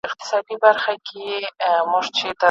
په دعا ورته رنځور او غریبان دي